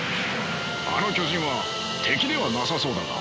あの巨人は敵ではなさそうだが。